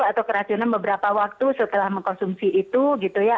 atau keracunan beberapa waktu setelah mengkonsumsi itu gitu ya